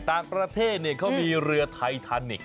ต่างประเทศเขามีเรือไททานิกส